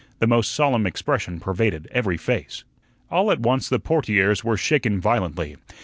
The most solemn expression pervaded every face. All at once the portieres were shaken violently.